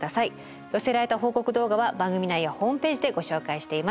寄せられた報告動画は番組内やホームページでご紹介しています。